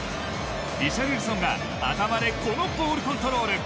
リシャルリソンが頭で、このボールコントロール。